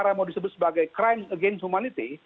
yang mau disebut sebagai crime against humanity